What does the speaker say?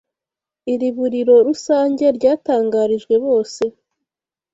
IRIBURIRO RUSANGE ryatangarijwe bose